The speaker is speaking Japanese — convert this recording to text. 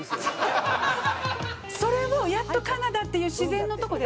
それをやっとカナダっていう自然の所で。